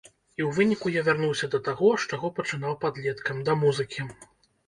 І ў выніку я вярнуўся да таго, з чаго пачынаў падлеткам, да музыкі.